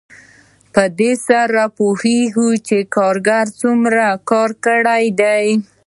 په دې سره پوهېږو چې کارګر څومره کار کړی دی